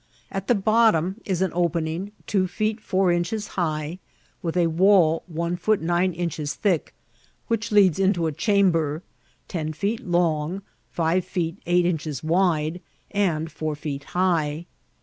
At the bottom is an opening two feet four inches high, with a wall one foot nine inches thick, which leads into a diamber ten feet Icmg, five feet eight inches wide, and four feet high.